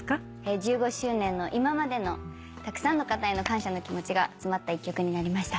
１５周年の今までのたくさんの方への感謝の気持ちが詰まった１曲になりました。